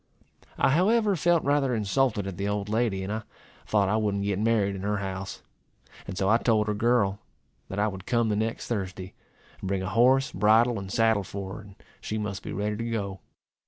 I however felt rather insulted at the old lady, and I thought I wouldn't get married in her house. And so I told her girl, that I would come the next Thursday, and bring a horse, bridle, and saddle for her, and she must be ready to go.